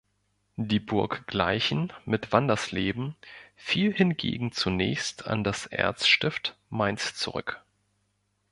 Die Burg Gleichen mit Wandersleben fiel hingegen zunächst an das Erzstift Mainz zurück.